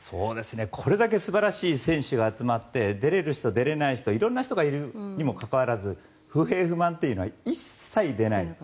これだけ素晴らしい選手が集まって出られる人、出られない人色んな人がいるにもかかわらず不平不満っていうのは一切出ない。